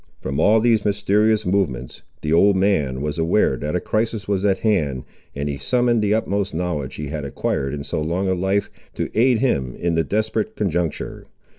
From all these mysterious movements, the old man was aware that a crisis was at hand, and he summoned the utmost knowledge he had acquired, in so long a life, to aid him in the desperate conjuncture.